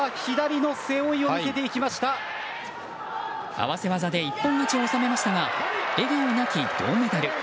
合わせ技で一本勝ちを収めましたが笑顔なき銅メダル。